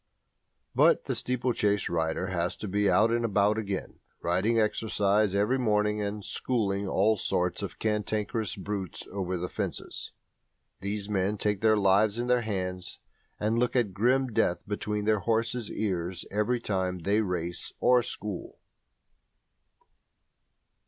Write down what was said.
But the steeplechase rider has to be out and about again, "riding exercise" every morning, and "schooling" all sorts of cantankerous brutes over the fences. These men take their lives in their hands and look at grim death between their horses' ears every time they race or "school".